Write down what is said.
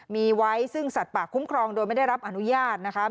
มีไว้ซึ่งสัตว์ป่าคุ้มครองโดยไม่ได้รับอนุญาตนะคะ